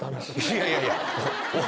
いやいやいや。